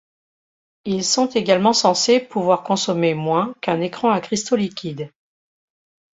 Ils sont également censés pouvoir consommer moins qu'un écran à cristaux liquides.